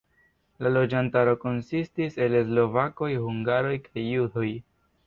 La loĝantaro konsistis el slovakoj, hungaroj kaj judoj.